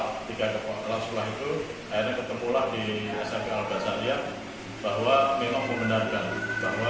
ketika kelas sekolah itu akhirnya ketemu lah di smp al basariyah bahwa memang membenarkan bahwa